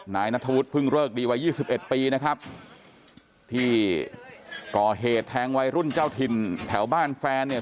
นายนัทธวุฒิเพิ่งเลิกดีวัย๒๑ปีนะครับที่ก่อเหตุแทงวัยรุ่นเจ้าถิ่นแถวบ้านแฟนเนี่ย